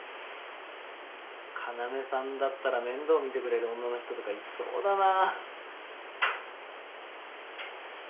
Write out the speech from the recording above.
うわ要さんだったら面倒見てくれる女の人とかいそうだな。